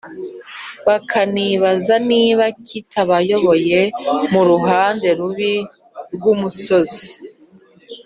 bakanibaza niba kitabayoboye mu ruhande rubi rw’umusozi,